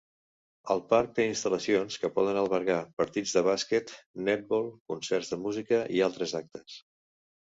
El parc té instal·lacions que poden albergar partits de bàsquet, netbol, concerts de música i altres actes.